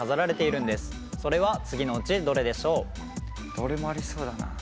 どれもありそうだな。